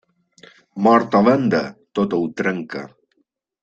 Mort o venda, tot ho trenca.